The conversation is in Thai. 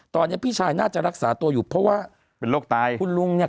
ตอนนี้พี่ชายน่าจะรักษาตัวอยู่เพราะว่าเป็นโรคไตคุณลุงเนี่ย